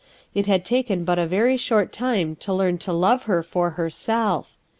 It had taken but a very short time to learn, to love her for herself.